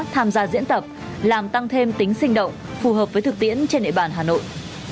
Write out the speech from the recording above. tham gia diễn tập làm tăng thêm tính sinh động phù hợp với thực tiễn trên địa bàn hà nội